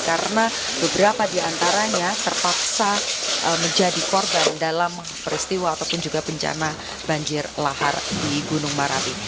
karena beberapa di antaranya terpaksa menjadi korban dalam peristiwa ataupun juga bencana banjir lahar di gunung marabi